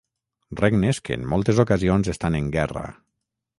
Regnes que en moltes ocasions estan en guerra.